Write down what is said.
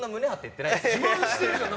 自慢してるじゃん。